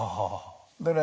でね